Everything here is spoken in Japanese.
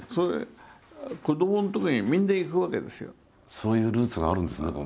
そういうルーツがあるんですねこれも。